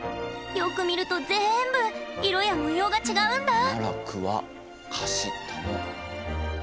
よく見ると全部色や模様が違うんだ！